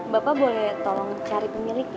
bapak boleh tolong cari pemilik